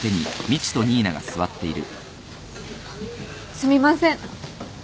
・すみません。